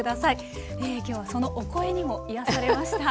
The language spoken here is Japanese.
今日はそのお声にも癒やされました。